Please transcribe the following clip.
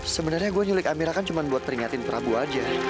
sebenarnya gue nyulik amira kan cuma buat peringatin prabu aja